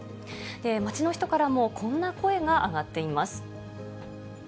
街の人からも、こんな声が上がっています。